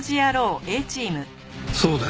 そうだよ。